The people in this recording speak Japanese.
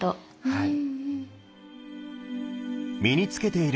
はい。